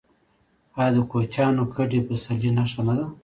آیا د کوچیانو کډې د پسرلي نښه نه ده؟